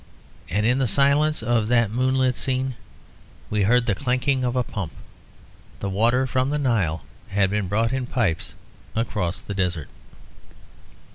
And in the silence of that moonlit scene we heard the clanking of a pump. The water from the Nile had been brought in pipes across the desert.